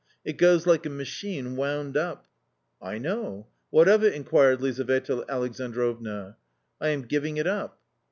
It goes like a machine wound up." " I know ; what of it ?" inquired Lizaveta Alexandrovna. " I am giving it up."